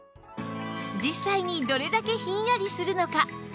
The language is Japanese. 実際にどれだけひんやりするのか？